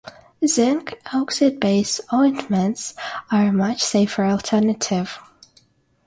Zinc oxide-based ointments are a much safer alternative.